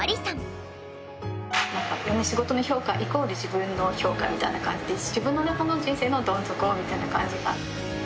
仕事の評価イコール自分の評価みたいな感じで自分の中の人生のどん底みたいな感じが。